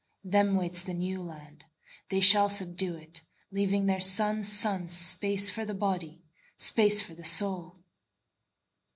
Them waits the New Land; They shall subdue it, Leaving their sons' sonsSpace for the body, Space for the soul.